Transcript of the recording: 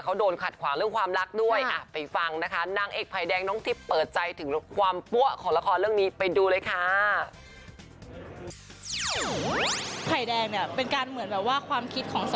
จะรักกันหรือเปล่า๔ทุ่มครึ่งถึง๕ทุ่มครึ่งต้องช่องไทรักทีวีค่ะ